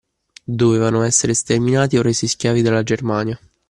Dovevano essere sterminati o resi schiavi dalla Germania.